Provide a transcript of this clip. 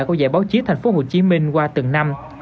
của giải báo chí thành phố hồ chí minh qua từng năm